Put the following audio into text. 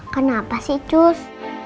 kenapa sih cus